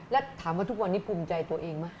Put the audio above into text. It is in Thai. แล้วถามว่าทุกวันนี้ภูมิใจตัวเองไหม